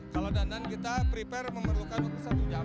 kalau dandan kita prepare memerlukan waktu satu jam